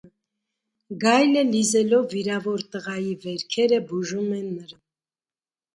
Գայլը, լիզելով վիրավոր տղայի վերքերը, բուժում է նրան։